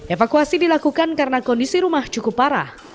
evakuasi dilakukan karena kondisi rumah cukup parah